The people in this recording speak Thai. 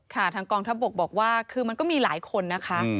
ทางกองทัพบกบอกว่าคือมันก็มีหลายคนนะคะ